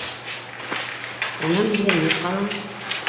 Унан беҙгә ни ҡала.